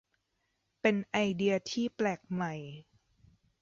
เป็นไอเดียที่แปลกใหม่